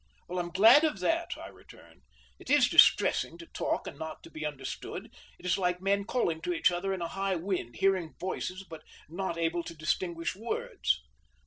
"I'm glad of that," I returned. "It is distressing to talk and not to be understood; it is like men calling to each other in a high wind, hearing voices but not able to distinguish words."